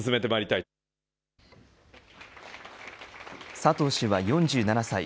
佐藤氏は４７歳。